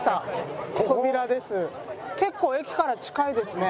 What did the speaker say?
結構駅から近いですね。